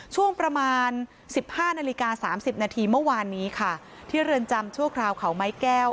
ช่วงประมาณ๑๕นาฬิกา๓๐นาทีเมื่อวานนี้ค่ะที่เรือนจำชั่วคราวเขาไม้แก้ว